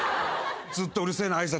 ずっとうるせえな挨拶。